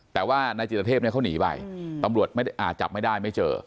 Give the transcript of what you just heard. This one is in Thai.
แต่ว่านายจิตเทพเนี่ยเขาหนีไปตำรวจจับไม่ได้ไม่เจอ